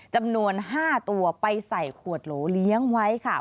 จำนวน๕ตัวไปใส่ขวดโหลเลี้ยงไว้ค่ะ